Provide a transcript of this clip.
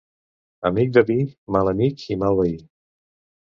Amic de vi, mal amic i mal veí.